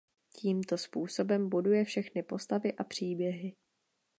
Tímto způsobem buduje všechny postavy a příběhy.